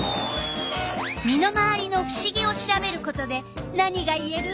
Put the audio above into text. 身の回りのふしぎを調べることで何がいえる？